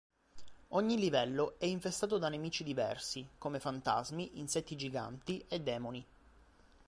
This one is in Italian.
Ogni livello è infestato da nemici diversi, come fantasmi, insetti giganti e demoni.